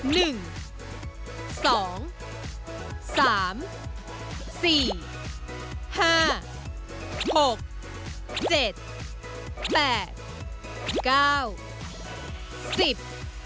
หนึ่งสองสามสี่ห้าหกเจ็ดแปดเก้าสิบ